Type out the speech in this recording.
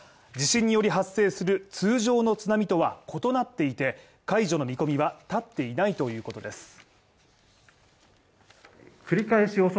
地震により発生する通常の津波とは異なっていて、解除の見込みは立っていないということです。